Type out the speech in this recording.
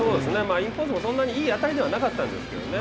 インコースもそんなにいい当たりではなかったんですけどね。